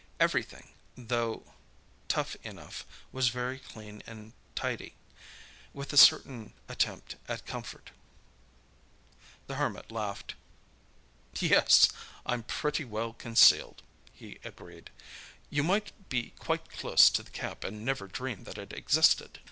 Everything, though tough enough, was very clean and tidy, with a certain attempt at comfort. The Hermit laughed. "Yes, I'm pretty well concealed," he agreed. "You might be quite close to the camp and never dream that it existed.